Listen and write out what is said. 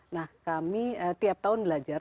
nah kami tiap tahun belajar